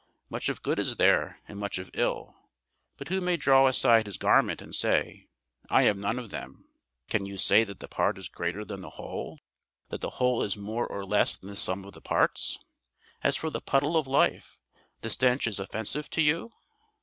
Much of good is there, and much of ill; but who may draw aside his garment and say, "I am none of them"? Can you say that the part is greater than the whole? that the whole is more or less than the sum of the parts? As for the puddle of life, the stench is offensive to you?